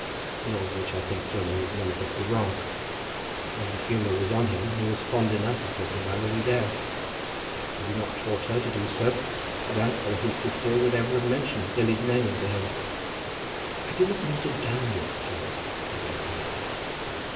In all of which I think that Johnny was manifestly wrong. When the humour was on him he was fond enough of talking about Lily Dale. Had he not taught her to do so, I doubt whether his sister would ever have mentioned Lily's name to him. "I did not mean to dun you, John," said Mary, meekly.